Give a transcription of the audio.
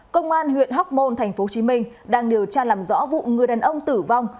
công an huyện hóc môn tp hcm đang điều tra làm rõ vụ người đàn ông tử vong